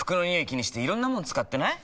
気にしていろんなもの使ってない？